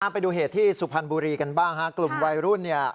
ไปดูเหตุที่สุพรรณบุรีกันบ้างฮะกลุ่มวัยรุ่นเนี่ย